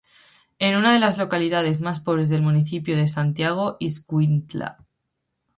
Es una de las localidades más pobres del municipio de Santiago Ixcuintla.